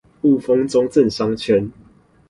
霧峰中正商圈